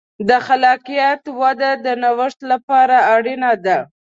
د خلاقیت وده د نوښت لپاره اړینه ده.